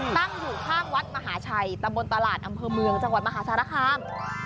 ตั้งอยู่ข้างวัดมหาชัยตำบลตลาดอำเภอเมืองจังหวัดมหาสารคาม